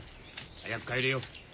早く帰れよ。